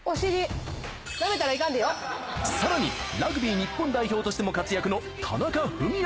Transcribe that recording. さらにラグビー日本代表としても活躍の田中史朗。